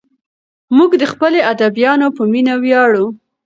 موږ د خپلو ادیبانو په مینه ویاړو.